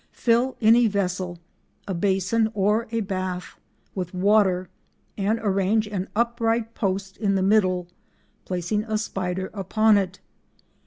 Fill any vessel—a basin or a bath—with water and arrange an upright post in the middle, placing a spider upon it.